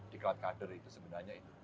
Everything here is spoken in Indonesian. diklat kader itu sebenarnya itu